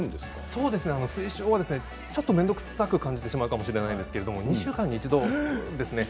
そうですね推奨はちょっと面倒くさく感じてしまうかもしれないんですけれども２週間に１度ですね。